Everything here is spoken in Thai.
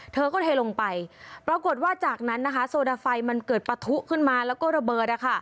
เธอก็เทลงไปปรากฏว่าจากนั้นนะคะโซดาไฟมันเกิดปะทุขึ้นมาแล้วก็ระเบิด